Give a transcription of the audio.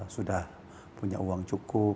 sudah punya uang cukup